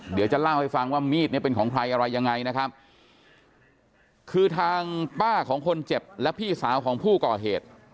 เดี๋ยวจะเล่าให้ฟังว่ามีดเนี่ยเป็นของใครอะไรยังไงนะครับคือทางป้าของคนเจ็บและพี่สาวของผู้ก่อเหตุ